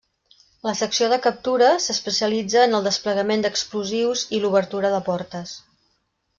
La secció de captura s'especialitza en el desplegament d'explosius i l'obertura de portes.